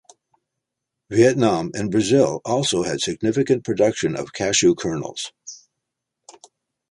Vietnam and Brazil also had significant production of cashew kernels.